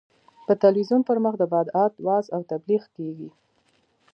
په تلویزیون پر مخ د بدعت وعظ او تبلیغ کېږي.